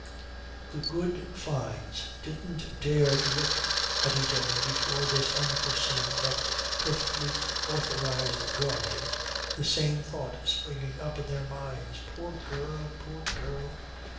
The good Fynes didn't dare to look at each other before this unforeseen but perfectly authorized guardian, the same thought springing up in their minds: Poor girl! Poor girl!